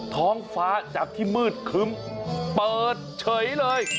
ท้องฟ้าจากที่มืดครึ้มเปิดเฉยเลย